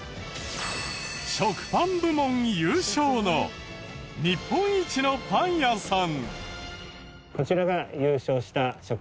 食パン部門優勝の日本一のパン屋さん。